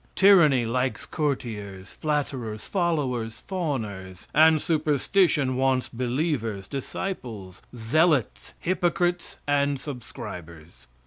Tyranny likes courtiers, flatterers, followers, fawners, and superstition wants believers, disciples, zealots, hypocrites, and subscribers.